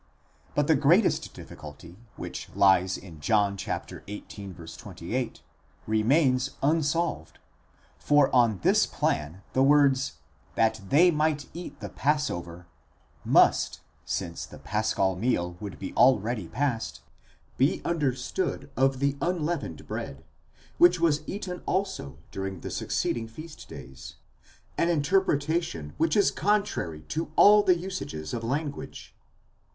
8 But the greatest difficulty, which lies in John xviii. 28, remains un solved ; for on this plan the words, that they might eat the passover, iva φάγωσι τὸ πάσχα, must, since the paschal meal would be already past, be understood of the unieavened bread, which was eaten also during the succeeding feast days: an interpretation which is contrary to all the usages of language.